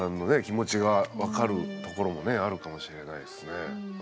気持ちが分かるところもねあるかもしれないですねうん。